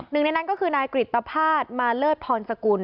หนึ่งในนั้นก็คือนายกริตภาษณมาเลิศพรสกุล